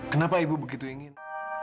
kenapa ibu begitu ingin